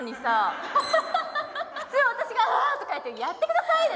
普通私が「わあ！」とか言って「やってください！」